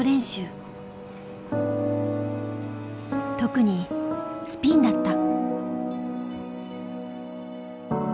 特にスピンだった。